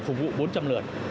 phục vụ bốn trăm linh lượt